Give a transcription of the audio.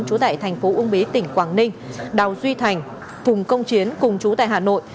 trú tại thành phố uông bí tỉnh quảng ninh đào duy thành phùng công chiến cùng chú tại hà nội